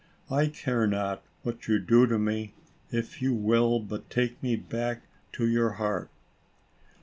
I care not what you do to me, if you will but take me back to your heart.